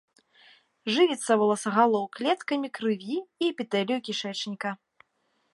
Жывіцца воласагалоў клеткамі крыві і эпітэлію кішэчніка.